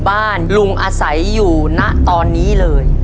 บ้านลุงอาศัยอยู่ณตอนนี้เลย